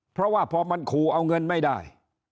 เพราะว่าพอมันขู่เอาเงินไม่ได้